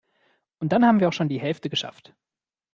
Und dann haben wir auch schon die Hälfte geschafft.